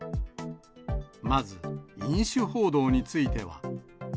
まず飲酒報道については。